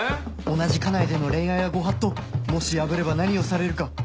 同じ課内での恋愛はご法度もし破れば何をされるか